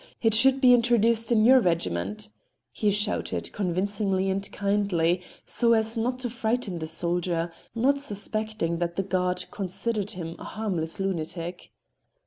It should be introduced in your regiment," he shouted convincingly and kindly, so as not to frighten the soldier, not suspecting that the guard considered him a harmless lunatic.